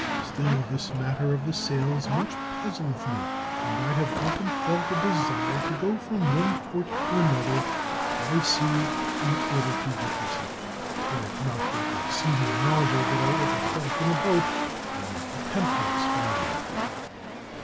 Still, this matter of the sails much puzzleth me, and I have often felt a desire to go from one port to another, by sea, in order to witness it. Were it not for the exceeding nausea that I ever felt in a boat, I might attempt the experiment."